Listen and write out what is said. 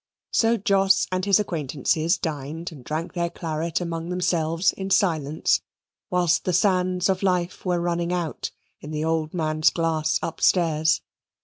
So Jos and his acquaintances dined and drank their claret among themselves in silence, whilst the sands of life were running out in the old man's glass upstairs.